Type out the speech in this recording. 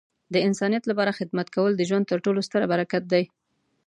د انسانیت لپاره خدمت کول د ژوند تر ټولو ستره برکت دی.